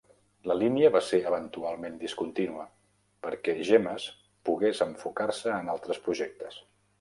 La línia va ser eventualment discontinua, perquè Jemas pogués enfocar-se en altres projectes